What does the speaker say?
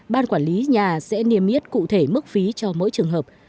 ban quản lý nhà sẽ niêm yết cụ thể mức phí cho mỗi trường hợp